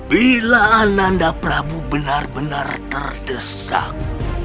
bila ananda prabu benar benar terdesak